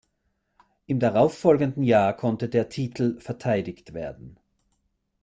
Im darauffolgenden Jahr konnte der Titel verteidigt werden.